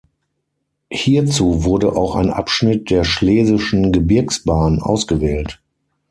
Hierzu wurde auch ein Abschnitt der Schlesischen Gebirgsbahn ausgewählt.